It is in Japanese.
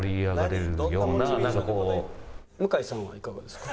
「向井さんはいかがですか？」。